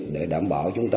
để đảm bảo chúng ta